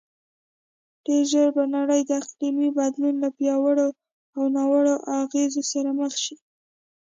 ډېرژر به نړی د اقلیمې بدلون له پیاوړو او ناوړو اغیزو سره مخ شې